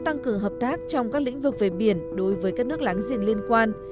tăng cường hợp tác trong các lĩnh vực về biển đối với các nước láng giềng liên quan